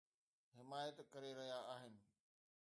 حمايت ڪري رهيا آهن